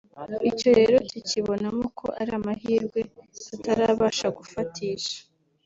Icyo rero tukibonamo ko ari amahirwe tutarabasha gufatisha